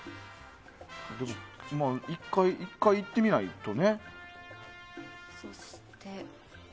１回、いってみないとね。